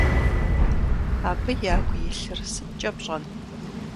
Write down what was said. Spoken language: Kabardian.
Абы ягу илъыр сыткӀэ пщӀэн?